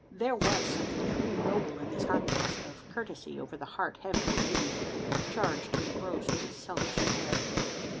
There was something truly noble in this conquest of courtesy over the heart heavily laden charged and engrossed with selfish care.